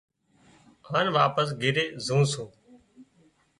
هانَ واپس گھِري زُون سُون۔